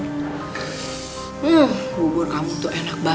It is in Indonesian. aku kabarin elsa dulu ya pak ya